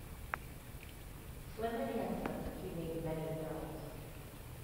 Slim and handsome, he made many films.